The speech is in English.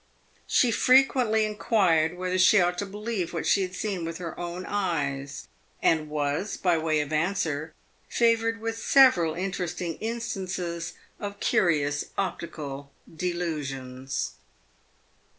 She frequently inquired whether she ought to believe what she had seen with her own eyes, and was by way of answer favoured with several interesting instances of curious optical delusions.